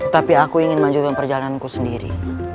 tapi aku ingin melanjutkan perjalananku sendiri